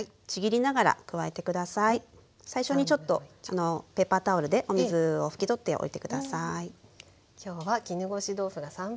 最初にちょっとペーパータオルでお水を拭き取っておいて下さい。